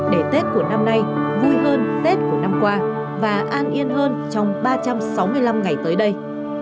để tết của năm nay vui hơn tết của năm qua và an yên hơn trong ba trăm sáu mươi năm ngày tới đây